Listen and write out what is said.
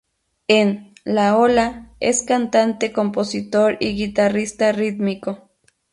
En '"La Ola..." es cantante, compositor y guitarrista rítmico.